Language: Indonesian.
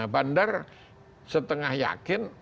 bandar setengah yakin